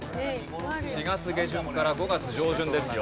４月下旬から５月上旬ですよ。